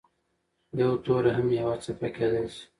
یو توری هم یوه څپه کېدای شي.